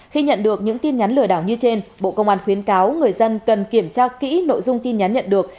khi nhận được những tin nhắn lừa đảo như trên bộ công an khuyến cáo người dân cần kiểm tra kỹ nội dung tin nhắn nhận được